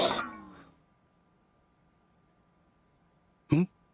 うん？